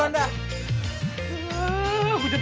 cabut dulu dah